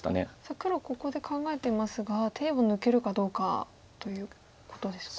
黒ここで考えてますが手を抜けるかどうかということですか？